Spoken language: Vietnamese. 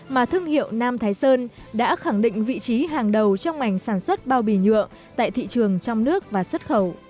mà thương hiệu nam thái sơn đã khẳng định vị trí hàng đầu trong mảnh sản xuất bao bì nhựa tại thị trường trong nước và xuất khẩu